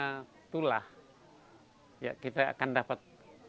karena itulah kita akan dapat